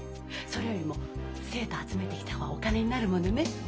それよりも生徒集めてきた方がお金になるものね。